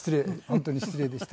本当に失礼でした。